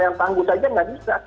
yang tangguh saja nggak bisa